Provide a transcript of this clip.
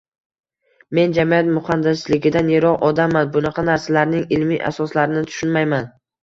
Men jamiyat muxandisligidan yiroq odamman, bunaqa narsalarning ilmiy asoslarini tushunmayman